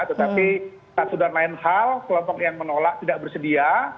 tetapi tak sudah main hal kelopok yang menolak tidak bersedia